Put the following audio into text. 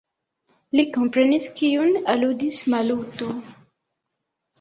Li komprenis, kiun aludis Maluto.